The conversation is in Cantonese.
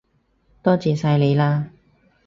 多謝晒你喇